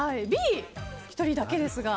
Ｂ、１人だけですが。